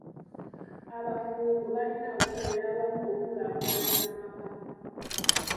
Abagumbo balina okukolera awamu okukulaakulanya amaka.